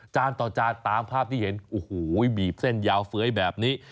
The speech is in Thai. ต่อจานตามภาพที่เห็นโอ้โหบีบเส้นยาวเฟ้ยแบบนี้